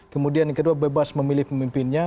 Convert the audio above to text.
kemudian kedua bebas memilih pemimpinnya